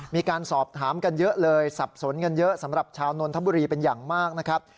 มีการสอบถามกันเยอะเลยสับสนกันเยอะสำหรับชาวนนทบุรีเป็นอย่างมากนะครับ